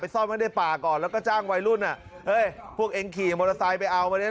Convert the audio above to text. ซ่อนไว้ในป่าก่อนแล้วก็จ้างวัยรุ่นอ่ะเอ้ยพวกเองขี่มอเตอร์ไซค์ไปเอาวันนี้